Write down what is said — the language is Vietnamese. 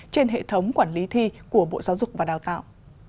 trên hệ thống quản lý thi của bộ giáo dục và đào tạo